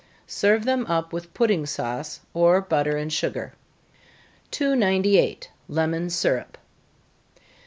Serve them up with pudding sauce, or butter and sugar. 298. _Lemon Syrup.